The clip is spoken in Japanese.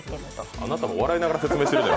あなたも笑いながら説明してるよ。